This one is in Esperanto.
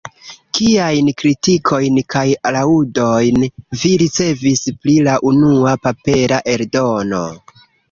Kiajn kritikojn kaj laŭdojn vi ricevis pri la unua papera eldono?